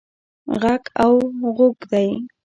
ږغ او ږوغ دی.